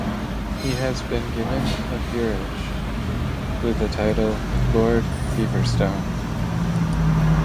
He has been given a peerage, with the title Lord Feverstone.